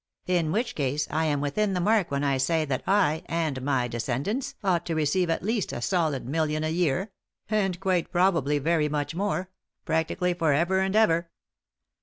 In which case I am within the mark when I say that I and my descendants ought to receive at least a solid million a year; and, quite probably, very much more ; practically for ever and ever."